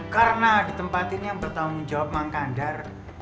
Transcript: karena ditempatin yang bertanggung jawab mangkandar